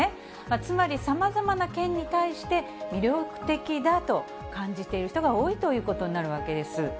つまりさまざまな県に対して、魅力的だと感じている人が多いということになるわけです。